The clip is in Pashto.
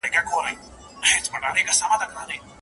آیا افریقا تر اسټرالیا ګرمه ده؟